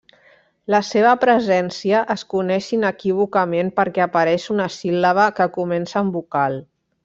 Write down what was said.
La seva presència es coneix inequívocament perquè apareix una síl·laba que comença en vocal.